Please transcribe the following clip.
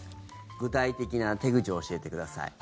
具体的な手口を教えてください。